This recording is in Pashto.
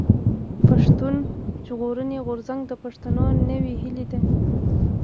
پښتون ژغورني غورځنګ د پښتنو نوې هيله ده.